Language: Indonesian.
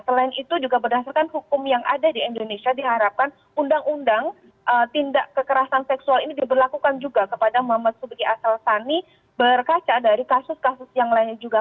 selain itu juga berdasarkan hukum yang ada di indonesia diharapkan undang undang tindak kekerasan seksual ini diberlakukan juga kepada muhammad sebagai asal asal ini berkaca dari kasus kasusnya